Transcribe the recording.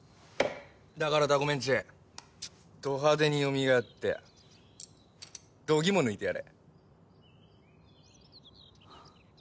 だからタコメンチド派手によみがえって度肝抜いてやれ。